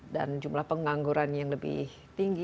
dan jumlah pengangguran yang lebih tinggi